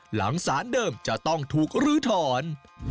หลังสารเดิมจะต้องถูกลื้อถอน